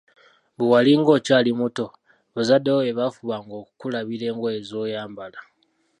Bwe wali ng‘okyali muto, bazadde bo be bafubanga okukulabira engoye z’oyambala.